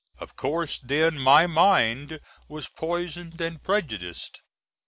Of course then my mind was poisoned & prejudiced.